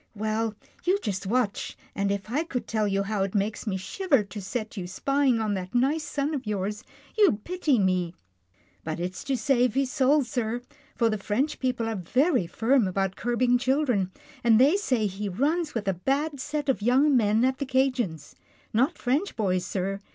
Well, you just watch, and if I could tell you how it makes me shiver to set you spying on that nice son of yours, you'd pity me. But it's to save his soul, sir, for the French people are very firm about curbing children, and they say he runs with a bad set of young men at the 'Cajien's. Not French boys, sir.